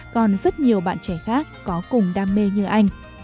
còn rất nhiều bạn trẻ khác có cùng đam mê như anh